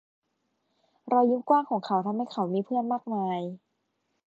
รอยยิ้มกว้างของเขาทำให้เขามีเพื่อนมากมาย